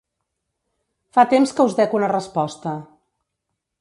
Fa temps que us dec una resposta.